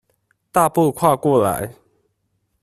大步跨過來